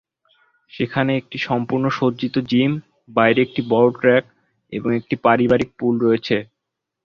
সেখানে একটি সম্পূর্ণ সজ্জিত জিম, বাইরে একটি বড় ট্র্যাক এবং একটি পারিবারিক পুল রয়েছে।